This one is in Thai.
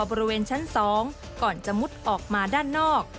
บริเวณชั้น๒ก่อนจะมุดออกมาด้านนอก